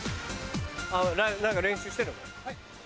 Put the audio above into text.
何か練習してんのかな？